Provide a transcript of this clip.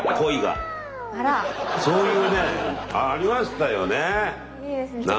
そういうねありましたよね。